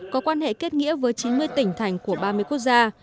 có quan hệ kết nghĩa với chín mươi tỉnh thành của ba mươi quốc gia